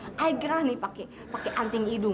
wahai gerah nih pakai anting hidung